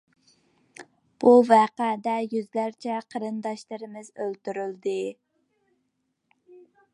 بۇ ۋەقەدە يۈزلەرچە قېرىنداشلىرىمىز ئۆلتۈرۈلدى.